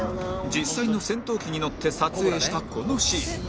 実際の戦闘機に乗って撮影したこのシーン